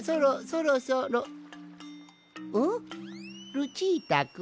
ルチータくん？